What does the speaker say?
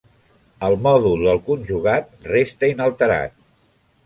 El mòdul del conjugat resta inalterat.